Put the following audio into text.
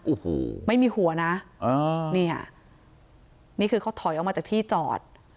โอ้โหไม่มีหัวนะอ่าเนี่ยนี่คือเขาถอยออกมาจากที่จอด